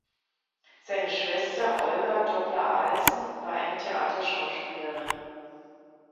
Seine Schwester Olga Doppler-Alsen war eine Theaterschauspielerin.